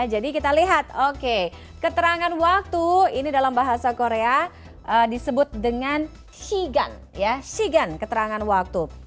jadi kita lihat oke keterangan waktu ini dalam bahasa korea disebut dengan shigan ya shigan keterangan waktu